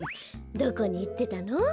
どこにいってたの？